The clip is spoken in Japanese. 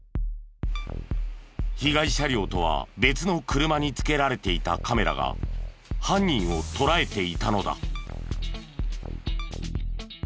被害車両とは別の車に付けられていたカメラが犯人を捉えていたのだ。